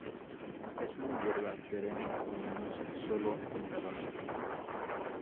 Es una hierba perenne, leñosa sólo en la base.